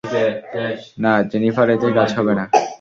না, জেনিফার এতে কাজ হবে না।